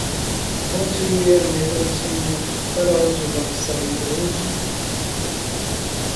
Bom dia minha pretinha, para onde vamos sair hoje?